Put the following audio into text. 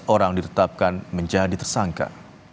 sembilan belas orang ditetapkan menjadi tersangka